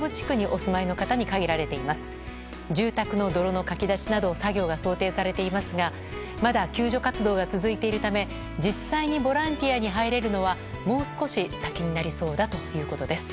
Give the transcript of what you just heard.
住宅の泥のかき出しなどの作業が想定されていますがまだ救助活動が続いているため実際にボランティアに入れるのはもう少し先になりそうだということです。